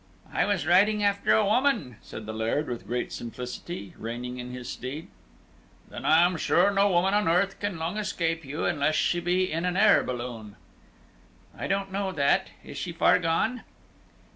"I was riding after a woman," said the Laird, with great simplicity, reining in his steed. "Then I am sure no woman on earth can long escape you, unless she be in an air balloon." "I don't know that. Is she far gone?"